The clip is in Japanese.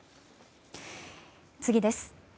次です。